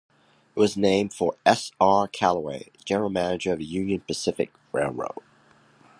It was named for S. R. Callaway, general manager of the Union Pacific Railroad.